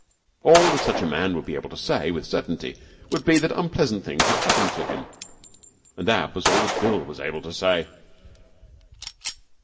All that such a man would be able to say with certainty would be that unpleasant things had happened to him; and that was all that Bill was able to say.